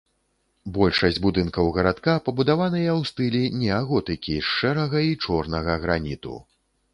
Большасць будынкаў гарадка пабудаваныя ў стылі неаготыкі з шэрага і чорнага граніту.